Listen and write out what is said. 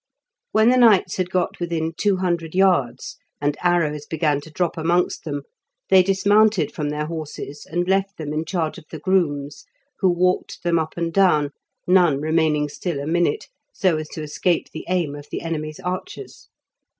When the knights had got within two hundred yards and arrows began to drop amongst them, they dismounted from their horses and left them in charge of the grooms, who walked them up and down, none remaining still a minute, so as to escape the aim of the enemy's archers.